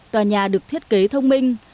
tòa nhà được thiết kế thông minh